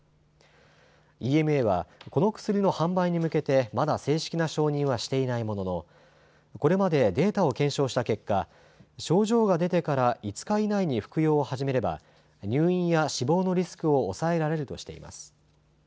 ＥＭＡは、この薬の販売に向けてまだ正式な承認はしていないもののこれまでデータを検証した結果、症状が出てから５日以内に服用を始めれば入院や死亡のリスクを抑えられるとしています。